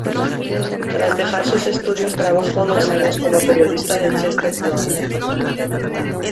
Tras dejar sus estudios, trabajó dos años como periodista del "Chester Chronicle".